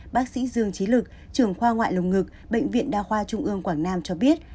bác sĩ dương trí lực trưởng khoa ngoại lồng ngực bệnh viện đa khoa trung ương quảng nam cho biết